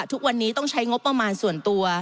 ทุกวันนี้ต้องใช้งบประมาณส่วนตัว